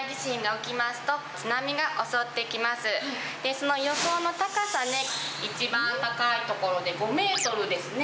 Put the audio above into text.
その予想の高さ、一番高い所で５メートルですね。